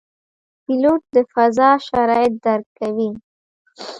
پیلوټ د فضا شرایط درک کوي.